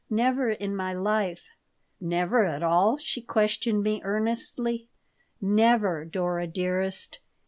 Never in my life." "Never at all?" she questioned me, earnestly "Never, Dora dearest.